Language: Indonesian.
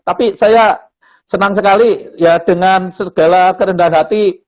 tapi saya senang sekali ya dengan segala kerendahan hati